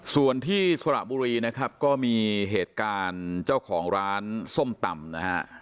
ส่วนที่สระบุรีนะครับก็มีเหตุการณ์เจ้าของร้านส้มตำนะฮะ